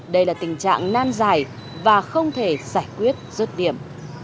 đây là tình trạng nan dài và không thể giải quyết rứt điểm